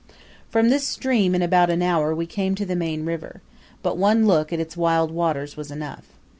From this stream, in about an hour, we came to the main river, but one look at its wild waters was enough.